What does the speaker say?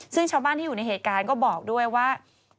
ซึ่งชาวบ้านที่อยู่ในเหตุการณ์ก็บอกด้วยว่า